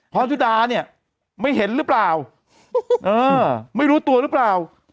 พรชุดาเนี่ยไม่เห็นหรือเปล่าเออไม่รู้ตัวหรือเปล่า